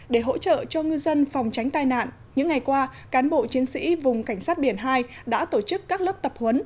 để hỗ trợ cho ngư dân phòng tránh tai nạn những ngày qua cán bộ chiến sĩ vùng cảnh sát biển hai đã tổ chức các lớp tập huấn